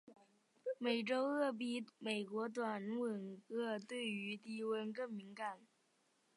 美洲鳄比美国短吻鳄对于低温更敏感。